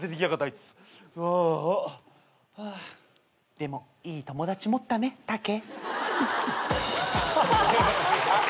でもいい友達持ったねタケ。